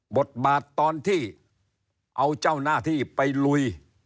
บทบาทตอนที่เอาเจ้าหน้าที่ไปลุย